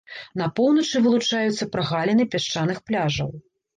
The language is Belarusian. На поўначы вылучаюцца прагаліны пясчаных пляжаў.